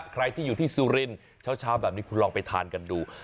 ใครที่อยู่ที่สุรินทร์เช้าแบบนี้คุณลองไปทานกันดู